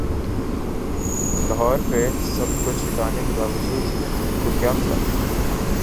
لاہور پہ سب کچھ لٹانے کے باوجود ن لیگ کو کیا ملا؟